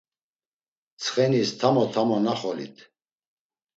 Tsxenis tamo tamo naxolit.